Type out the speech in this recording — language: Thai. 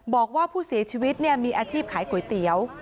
บอกว่าผู้เสียชีวิตมีอาชีพขายก๋วยเตี๋ยว